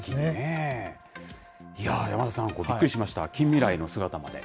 いやー、山田さん、これ、びっくりしました、近未来の姿まで。